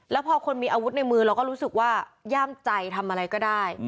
แล้วพอคนมีอาวุธในมือเราก็รู้สึกว่าย่ามใจทำอะไรก็ได้